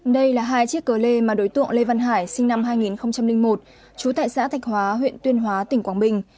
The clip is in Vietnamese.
đây là hai chiếc cờ lê mà đối tượng lê văn hải sinh năm hai nghìn một trú tại xã thạch hóa huyện tuyên hóa tỉnh quảng bình